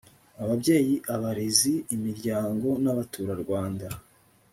ababyeyi abarezi imiryango n’abaturarwanda